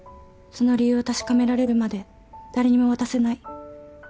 その理由を確かめられるまで誰にも渡せない。